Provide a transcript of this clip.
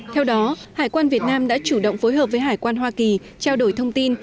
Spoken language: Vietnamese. theo đó hải quan việt nam đã chủ động phối hợp với hải quan hoa kỳ trao đổi thông tin